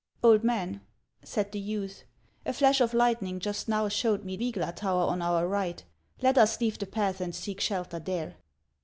" Old man." said the youth, " a Hash of lightning just now showed me Vygla tower on our right ; let us leave the patli and seek shelter there."